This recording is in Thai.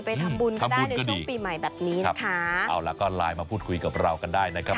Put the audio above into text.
ไปทำบุญก็ได้ในช่วงปีใหม่แบบนี้นะคะเอาล่ะก็ไลน์มาพูดคุยกับเรากันได้นะครับ